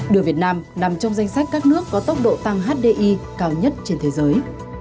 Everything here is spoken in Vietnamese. đưa việt nam nằm trong danh sách các nước có tốc độ tăng hdi cao nhất trên thế giới